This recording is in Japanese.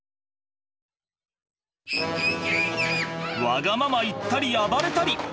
わがまま言ったり暴れたり。